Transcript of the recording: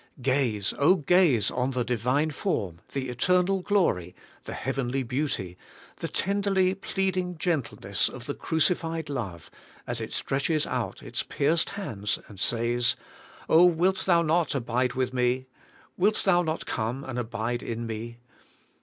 Gaze, gaze on the Divine form, the eternal glory, the heavenly beauty, the tenderly pleading gentleness of the crucified love, as it stretches out its pierced hands and says, 'Oh, wilt thou not abide with me? wilt thou not come and abide in me?'